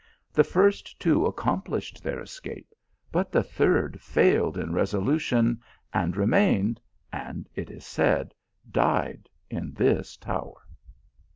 The first two accomplished their escape, but the third failed in resolution and remained, and it is said died in this tower."